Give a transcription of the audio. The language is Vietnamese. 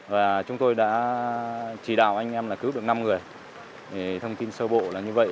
và chúng tôi đã chỉ đạo anh em là cứu được năm người thông tin sơ bộ là như vậy